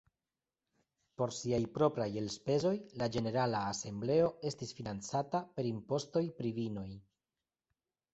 Por siaj propraj elspezoj, la ĝenerala Asembleo estis financata per impostoj pri vinoj.